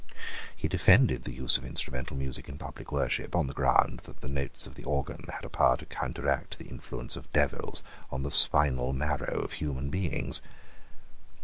He defended the use of instrumental music in public worship on the ground that the notes of the organ had a power to counteract the influence of devils on the spinal marrow of human beings.